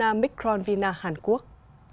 hanna micron vina hàn quốc